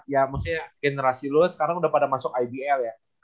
ya maksudnya generasi lo sekarang udah pada masuk ibl ya